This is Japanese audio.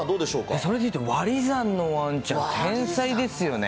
それで言うと、割り算のワンちゃん、天才ですよね。